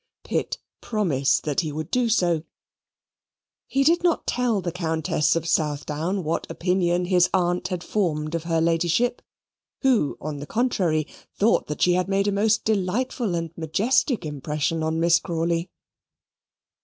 Pitt promised that he would do so. He did not tell the Countess of Southdown what opinion his aunt had formed of her Ladyship, who, on the contrary, thought that she had made a most delightful and majestic impression on Miss Crawley.